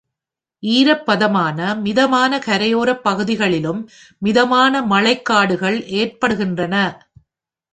ஈரப்பதமான மிதமான கரையோரப் பகுதிகளிலும் மிதமான மழைக்காடுகள் ஏற்படுகின்றன.